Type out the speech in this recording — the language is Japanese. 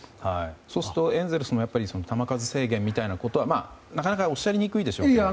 エンゼルスもやっぱり球数制限みたいなことはなかなかおっしゃりにくいでしょうけども。